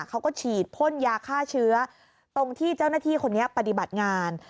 เขาก็ฉีดพ่นยาฆ่าเชื้อตรงที่เจ้าหน้าที่คนนี้ปฏิบัติงาน